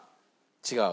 違う？